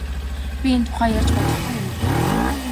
Би энэ тухай ярьж болохгүй юм л даа.